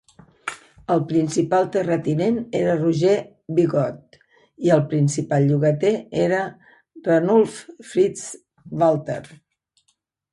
El principal terratinent era Roger Bigod i el principal llogater era Ranulf Fitz Walter.